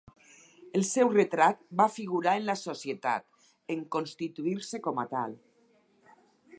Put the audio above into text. El seu retrat va figurar en la Societat, en constituir-se com a tal.